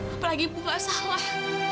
apalagi ibu gak salah